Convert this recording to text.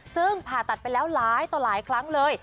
ซึ่งผ่าตัดไปแล้วหลายต่อหลายครั้งเลย